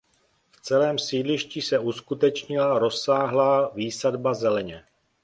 V celém sídlišti se uskutečnila rozsáhlá výsadba zeleně.